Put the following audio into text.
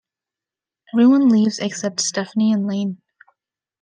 Everyone leaves except Stephanie and Lane.